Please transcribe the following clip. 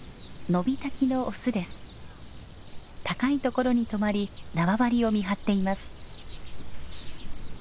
高い所に止まり縄張りを見張っています。